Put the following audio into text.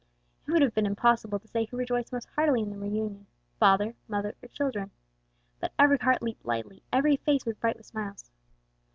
It would have been impossible to say who rejoiced most heartily in the reunion, father, mother or children. But every heart leaped lightly, every face was bright with smiles.